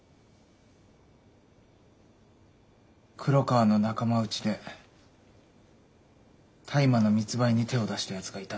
黒川の仲間内で大麻の密売に手を出したやつがいたんだ。